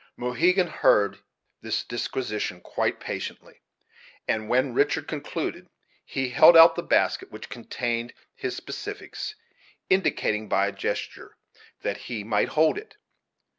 Mohegan heard this disquisition quite patiently, and, when Richard concluded, he held out the basket which contained his specifics, indicating, by a gesture, that he might hold it.